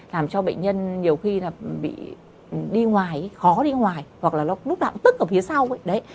làm cho bệnh nhân nhiều khi là bị đi ngoài khó đi ngoài hoặc là nó lúc nào cũng tức ở phía sau ấy đấy